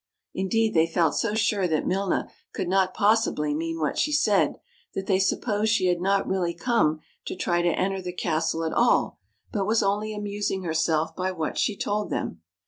Indeed they felt so sure that Milna could not possibly mean what she said, that they supposed she had not really come to try to enter the castle at all, but was only amusing herself by what she told them.